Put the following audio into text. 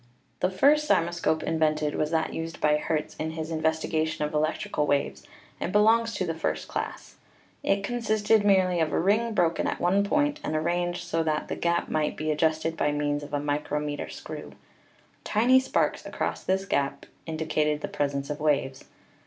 The first cymoscope invented was that used by Hertz in his investigation of electric waves, and belongs to the first class. It consisted merely of a ring broken at one point and arranged so that the gap might be adjusted M Fig. 49 — The Branley Filings Coherer. by means of a micrometer screw. Tiny sparks across this gap indicated the presence of waves.